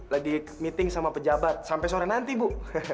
lagi meeting sama pejabat sampai sore nanti bu